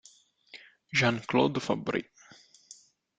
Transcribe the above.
Jean-Claude Fabbri